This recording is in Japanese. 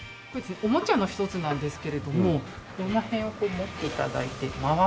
おもちゃの一つなんですけれどもここら辺をこう持って頂いて回すとですね